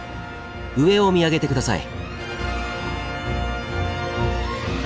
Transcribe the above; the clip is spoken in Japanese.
上を見上げて下さい。